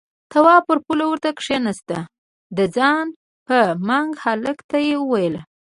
تواب پر پوله ورته کېناست، د ځان په منګ هلک ته يې وويل: